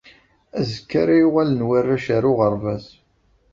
Azekka ara uɣalen warrac ar uɣerbaz.